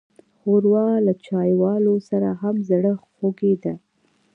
ښوروا له چايوالو سره هم زړهخوږې ده.